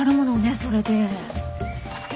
それで。